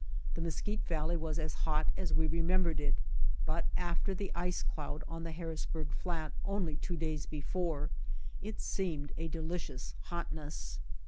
The Mesquite Valley was as hot as we remembered it, but, after the ice cloud on the Harrisburg Flat only two days before, it seemed a delicious hotness.